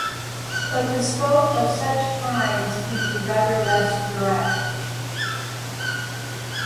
But the scope of such crimes can be rather less direct.